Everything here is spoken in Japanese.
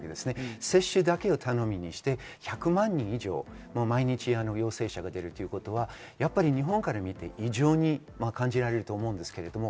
接種だけを頼みにして１００万人以上、毎日、陽性者が出るということは日本から見て異常に感じられると思います。